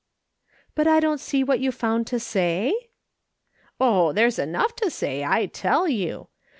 " But I don't see what you found to say ?"" Oh, there's enough to say, I tell you